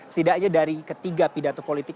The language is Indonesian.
setidaknya dari ketiga pidato politik